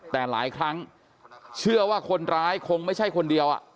แต่หลายครั้งเชื่อว่าคนร้ายคงไม่ใช่คนเดียว